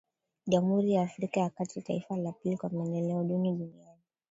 Jamhuri ya Afrika ya kati, taifa la pili kwa maendeleo duni duniani